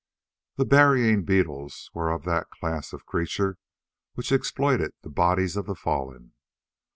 The burying beetles were of that class of creatures which exploited the bodies of the fallen.